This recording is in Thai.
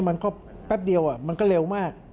พวกนี้แป๊บเดียวมันก็เร็วมาก